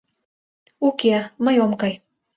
— Уке, мый ом кай.